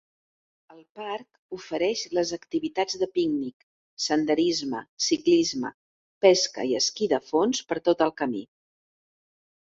El parc ofereix les activitats de pícnic, senderisme, ciclisme, pesca i esquí de fons per tot el camí.